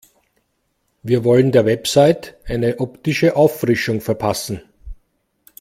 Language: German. Wir wollen der Website eine optische Auffrischung verpassen.